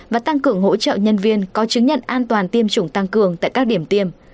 và tăng cường hỗ trợ nhân viên có chứng nhận an toàn tiêm chủng tăng cường tại các điểm tiêm